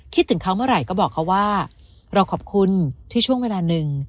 ถึงเขาเมื่อไหร่ก็บอกเขาว่าเราขอบคุณที่ช่วงเวลาหนึ่ง